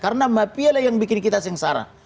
karena mafia lah yang bikin kita sengsara